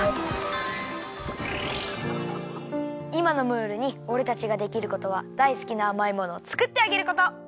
いまのムールにおれたちができることはだいすきなあまいものをつくってあげること。